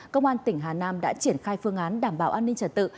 công an tỉnh hà nam đã triển khai phương án đảm bảo an ninh trật tự